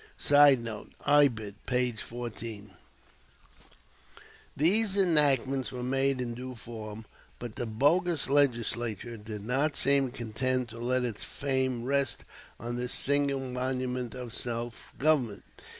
[Sidenote: Ibid., p. 14.] These enactments were made in due form; but the bogus Legislature did not seem content to let its fame rest on this single monument of self government.